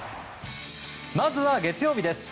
まずは月曜日です。